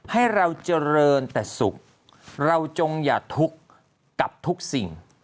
ให้เราเจริญแต่สุขเราจงอย่าทุกข์กับทุกสิ่ง